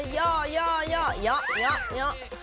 ย่อย่อย่อย่อย่อย่อ